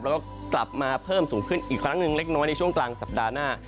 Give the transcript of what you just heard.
แล้วก็กลับมาเพิ่มสูงขึ้นอีกครั้งหนึ่งเล็กน้อยในช่วงกลางสัปดาห์หน้า